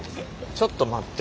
ちょっと待って。